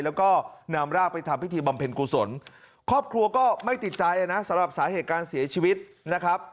แล้วก็นำร่างไปทำพิธีบำเพ็ญกุศลครอบครัวก็ไม่ติดใจนะสำหรับสาเหตุการเสียชีวิตนะครับ